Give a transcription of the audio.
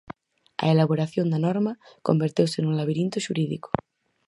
A elaboración da norma converteuse nun labirinto xurídico.